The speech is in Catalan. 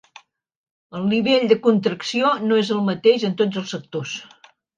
El nivell de contracció no és el mateix en tots els sectors.